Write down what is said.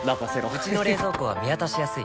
うちの冷蔵庫は見渡しやすい